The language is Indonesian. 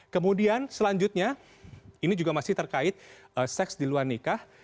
kemudian selanjutnya ini juga masih terkait seks di luar nikah